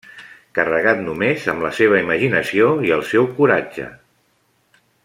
Carregat només amb la seva imaginació i el seu coratge.